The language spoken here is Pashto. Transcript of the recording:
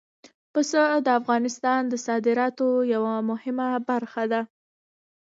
پسه د افغانستان د صادراتو یوه مهمه برخه ده.